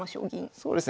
そうですね。